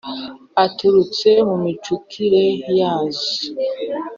aturutse mu micukire ya zo